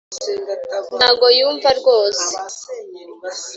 ntago yumva rwose